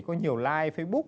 có nhiều like facebook